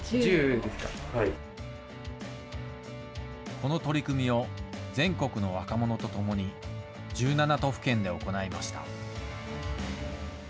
この取り組みを全国の若者と共に、１７都府県で行いました。